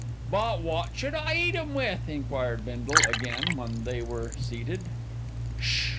"But wot should I eat 'em with?" enquired Bindle again when they were seated. "Sssh!"